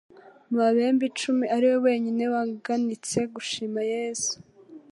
mu babembe icumi ari we wenyine waganitse gushima Yesu;